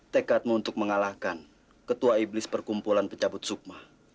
tekadmu untuk mengalahkan ketua iblis perkumpulan pencabut sukma